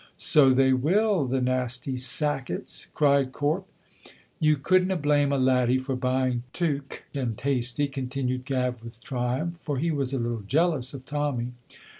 "So they will, the nasty sackets!" cried Corp. "You couldna blame a laddie for buying Teuch and Tasty," continued Gav with triumph, for he was a little jealous of Tommy.